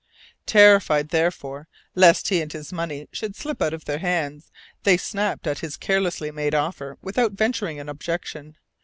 Terrified, therefore, lest he and his money should slip out of their hands, they snapped at his carelessly made offer without venturing an objection.